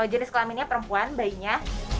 jenis kelaminnya perempuan bayinya